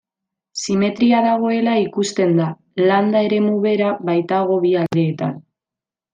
Simetria dagoela ikusten da, landa eremu bera baitago bi aldeetan.